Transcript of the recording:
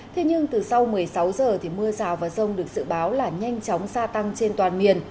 thế nhưng từ sau một mươi sáu giờ thì mưa rào và rông được dự báo là nhanh chóng xa tăng trên toàn miền